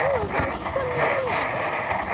ここにいるんだよ。